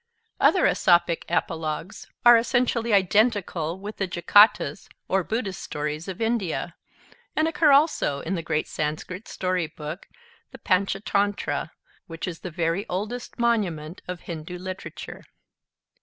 Other Aesopic apologues are essentially identical with the Jatakas or Buddhist stories of India, and occur also in the great Sanskrit story book, the 'Panchatantra,' which is the very oldest monument of Hindu literature.